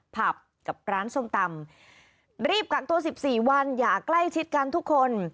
ผับกับร้านส้มตำรีบกักตัวสิบสี่วันอย่าใกล้ชิดกันทุกคน